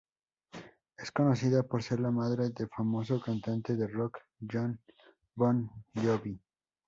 Es conocida por ser la madre del famoso cantante de rock Jon Bon Jovi.